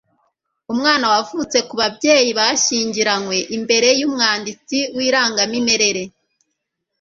umwana wavutse ku babyeyi bashyingiranywe imbere y'umwanditsi w'irangamimerere